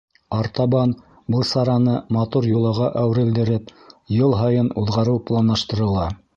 Артабан был сараны матур йолаға әүерелдереп, йыл һайын уҙғарыу планлаштырыла.